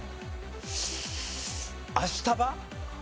アシタバ？